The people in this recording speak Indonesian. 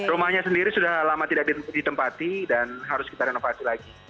rumahnya sendiri sudah lama tidak ditempati dan harus kita renovasi lagi